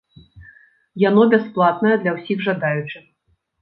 Яно бясплатнае для ўсіх жадаючых.